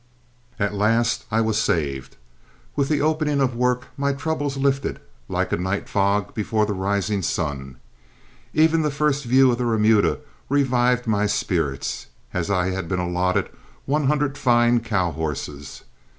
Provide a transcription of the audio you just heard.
At last I was saved. With the opening of work my troubles lifted like a night fog before the rising sun. Even the first view of the remuda revived my spirits, as I had been allotted one hundred fine cow horses.